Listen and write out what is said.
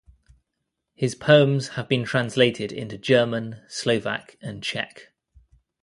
His poems have been translated into German, Slovak and Czech.